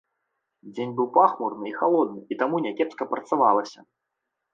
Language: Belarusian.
Дзень быў пахмуры і халодны, і таму някепска працавалася.